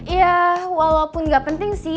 ya walaupun nggak penting sih